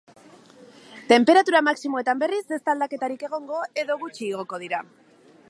Tenperatura maximoetan, berriz, ez da aldaketarik egongo edo gutxi igoko dira.